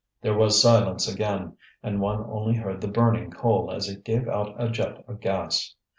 There was silence again, and one only heard the burning coal as it gave out a jet of gas.